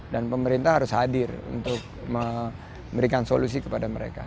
dan pemerintah harus hadir untuk memberikan solusi kepada mereka